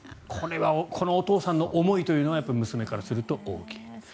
このお父さんの思いというのは娘からすると大きい。